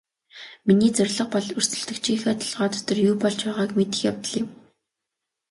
Миний зорилго бол өрсөлдөгчийнхөө толгой дотор юу болж байгааг мэдэх явдал юм.